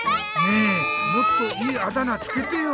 ねえもっといいあだ名つけてよ。